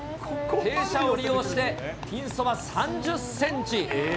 傾斜を利用してピンそば３０センチ。